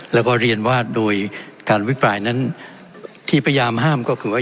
แล้วก็เรียนว่าโดยการวิปรายนั้นที่พยายามห้ามก็คือว่า